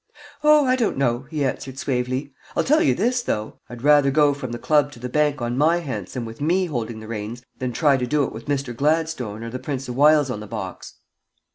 "Oh, I don't know," he answered, suavely. "I'll tell you this, though: I'd rather go from the Club to the Bank on my hansom with me holding the reins than try to do it with Mr. Gladstone or the Prince o' Wiles on the box."